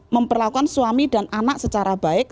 memperlakukan suami dan anak secara baik